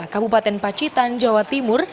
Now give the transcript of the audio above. kabupaten pacitan jawa timur